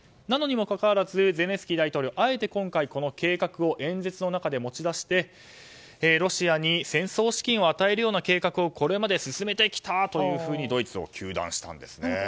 なのにもかかわらずゼレンスキー大統領あえて今回この計画を演説の中で持ち出してロシアに戦争資金を与えるような計画をこれまで進めてきたというふうにドイツを糾弾したんですね。